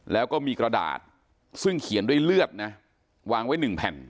แล้วก็มีกระดาษซึ่งเขียนด้วยเลือดนะวางไว้๑แผ่น